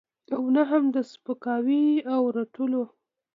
او نه هم د سپکاوي او رټلو.